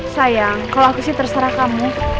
sayang kalau aku sih terserah kamu